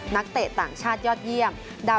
นักเตะต่างชาติยอดเยี่ยม